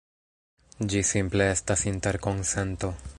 Ĝi simple estas interkonsento.